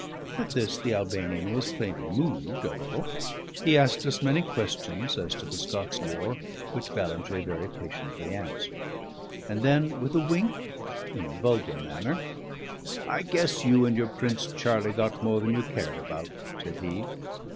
At this the Albanian was plainly moved a little. He asked us many questions as to the Scots war, which Ballantrae very patiently answered. And then, with a wink, in a vulgar manner, "I guess you and your Prince Charlie got more than you cared about," said he.